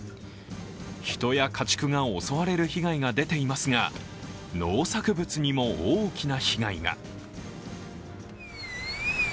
人や家畜が襲われる被害が出ていますが農作物にも大きな被害が。